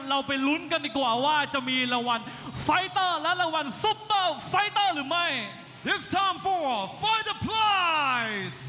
เราไปลุ้นกันดีกว่าว่าจะมีรางวัลไฟเตอร์และรางวัลซุปเปอร์ไฟเตอร์หรือไม่